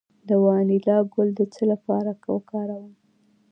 د وانیلا ګل د څه لپاره وکاروم؟